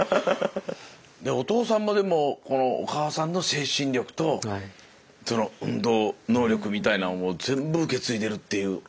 お父さんまでもこのお母さんの精神力とその運動能力みたいなものを全部受け継いでるっていう。